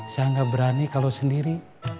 saya nggak berani kalau sendiri